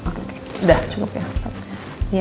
sudah cukup ya